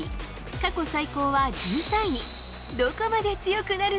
過去最高は１３位。